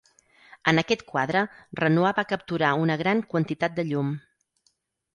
En aquest quadre Renoir va capturar una gran quantitat de llum.